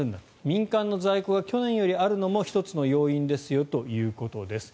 民間の在庫が去年よりあるのも１つの要因ですよということです。